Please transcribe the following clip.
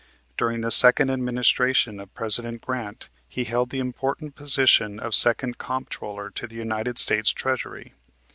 During the second administration of President Grant he held the important position of Second Comptroller of the United States Treasury.